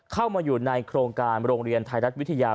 เข้ามาอยู่ในโครงการโรงเรียนไทยรัฐวิทยา